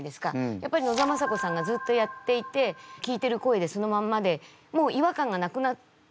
やっぱり野沢雅子さんがずっとやっていて聞いてる声でそのまんまでもう違和感がなくなっていますよね。